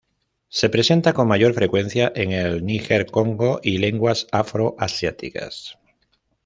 Se presenta con mayor frecuencia en el Níger-Congo y lenguas afro-asiáticas.